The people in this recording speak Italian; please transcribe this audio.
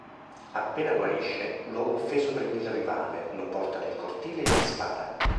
Appena guarisce, l'uomo offeso prende il rivale, lo porta nel cortile e gli spara.